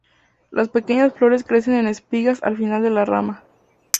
Las pequeñas flores crecen en espigas al final de las ramas.